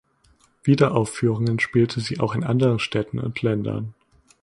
Wiederaufführungen spielte sie auch in anderen Städten und Ländern.